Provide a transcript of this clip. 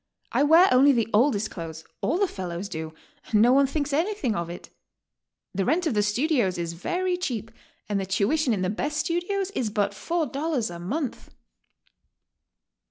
I wear only the oldest clothes, — all the fellows do, and no one thinks anything of it. The rent of the studios is very cheap, and the tuition in the best studios is but $4 a month."